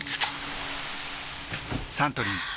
サントリー「金麦」